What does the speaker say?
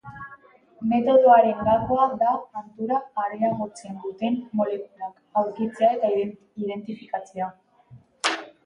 Metodoaren gakoa da hantura areagotzen duten molekulak aurkitzea eta identifikatzea.